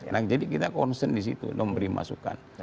nah jadi kita konsen di situ untuk memberi masukan